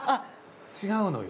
違うのよ。